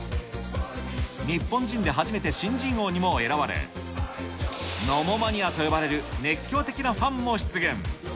日本人で初めて新人王にも選ばれ、ノモマニアと呼ばれる熱狂的なファンも出現。